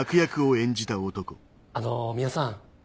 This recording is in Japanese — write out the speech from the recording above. あの三輪さん。